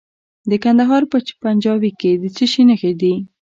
د کندهار په پنجوايي کې د څه شي نښې دي؟